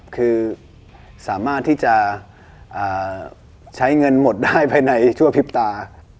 คือสามารถที่จะใช้เงินหมดได้ไปในทั่วพิพยาบาล